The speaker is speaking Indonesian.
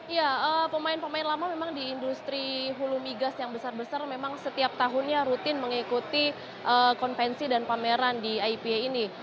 ya pemain pemain lama memang di industri hulu migas yang besar besar memang setiap tahunnya rutin mengikuti konvensi dan pameran di ipa ini